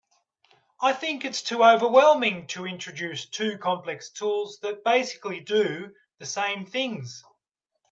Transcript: I think it’s too overwhelming to introduce two complex tools that basically do the same things.